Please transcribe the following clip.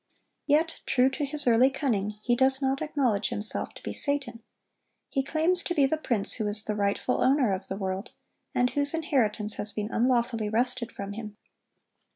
Yet, true to his early cunning, he does not acknowledge himself to be Satan. He claims to be the prince who is the rightful owner of the world, and whose inheritance has been unlawfully wrested from him.